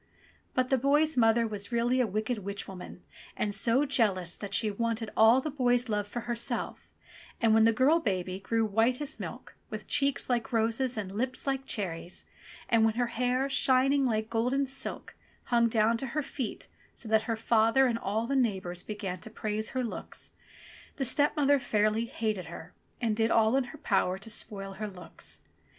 But the boy's mother was really a wicked witch woman, and so jealous that she wanted all the boy's love for herself, and when the girl baby grew white as milk, with cheeks like roses and lips like cherries, and when her hair, shining like golden silk, hung down to her feet so that her father and all the neighbours began to praise her looks, the step mother fairly hated her, and did all in her power to spoil her looks.